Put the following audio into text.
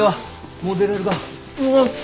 もう出れるか？